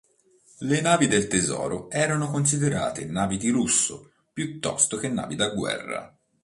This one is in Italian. Le navi del tesoro erano considerate navi di lusso, piuttosto che navi da guerra.